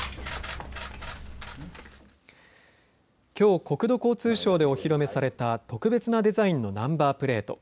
きょう国土交通省でお披露目された特別なデザインのナンバープレート。